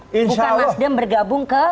bukan nasdem bergabung ke